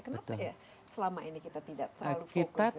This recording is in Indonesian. kenapa ya selama ini kita tidak terlalu fokus